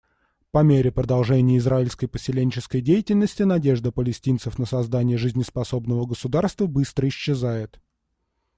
По мере продолжения израильской поселенческой деятельности надежда палестинцев на создание жизнеспособного государства быстро исчезает.